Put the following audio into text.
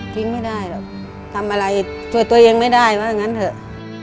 ไม่ได้หรอกทำอะไรช่วยตัวเองไม่ได้ว่างั้นเถอะ